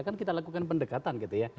kan kita lakukan pendekatan gitu ya